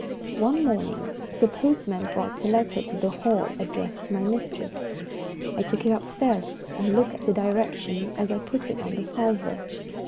One morning the postman brought a letter to the Hall addressed to my mistress. I took it upstairs, and looked at the direction as I put it on the salver.